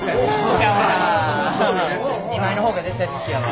２枚の方が絶対好きやわ。